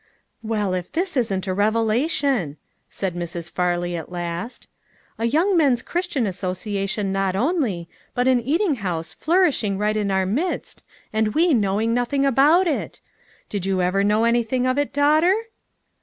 "Well, if this isn't a revelation!" said Mrs. Farley at last. "A young men's Christian association not only, but an eating house flour ishing right in our midst and we knowing noth ing about it. Did you know anything of it, daughter